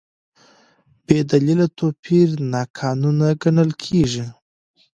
بېدلیله توپیر ناقانونه ګڼل کېږي.